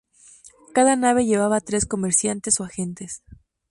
Cada nave llevaba tres comerciantes o agentes.